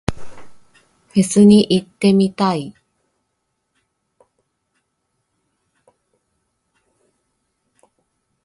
フェスに行ってみたい。